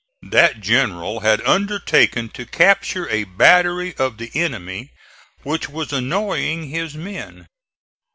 That general had undertaken to capture a battery of the enemy which was annoying his men.